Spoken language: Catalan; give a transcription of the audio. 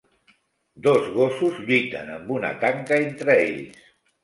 Dos gossos lluiten amb una tanca entre ells.